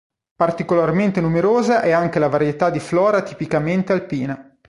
Particolarmente numerosa è anche la varietà di flora tipicamente alpina.